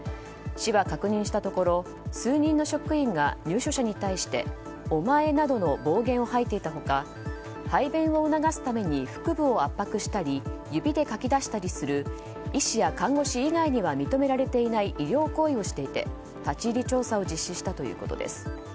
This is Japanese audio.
市は確認したところ数人の職員が、入所者に対してお前などの暴言を吐いていた他排便を促すために腹部を圧迫したり指でかき出したりする医師や看護師以外には認められていない医療行為をしていて立ち入り調査を実施したということです。